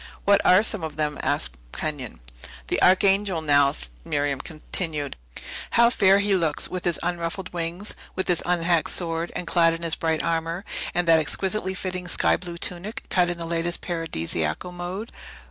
"What are some of them?" asked Kenyon. "That Archangel, now," Miriam continued; "how fair he looks, with his unruffled wings, with his unhacked sword, and clad in his bright armor, and that exquisitely fitting sky blue tunic, cut in the latest Paradisiacal mode!